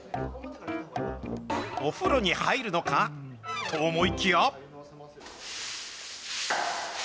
お風呂に入るのか？と思いきや。